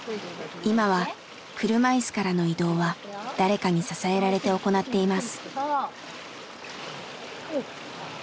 今は車いすからの移動は誰かに支えられて行っています。